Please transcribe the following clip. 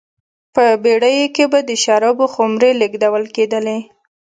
په بېړیو کې به د شرابو خُمرې لېږدول کېدلې